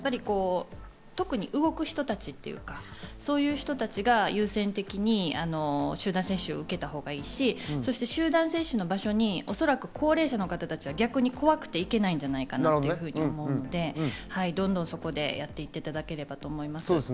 特に動く人たちというか、そういう人たちが優先的に集団接種を受けたほうがいいし、集団接種の場所におそらく高齢者の方は逆に怖くて行けないんじゃないかと思うので、どんどんそこでやっていただければと思います。